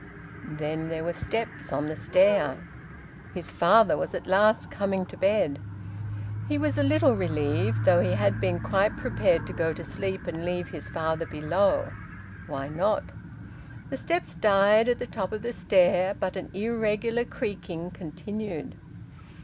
Then there were steps on the stair. His father was at last coming to bed. He was a little relieved, though he had been quite prepared to go to sleep and leave his father below. Why not? The steps died at the top of the stair, but an irregular creaking continued.